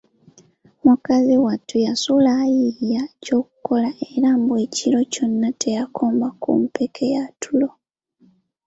Mukazi wattu yasula ayiiya ekyokukola era mbu ekiro kyonna teyakomba ku mpeke ya tulo.